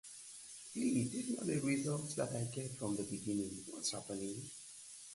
It is notable for its uncommon structural asymmetry.